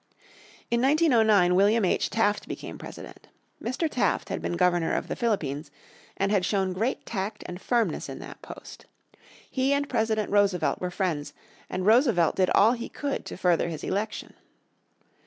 In 1909 William H. Taft became president. Mr. Taft had been Governor of the Philippines, and had shown great tact and firmness in that post. He and President Roosevelt were friends, and Roosevelt did all he could to further his election.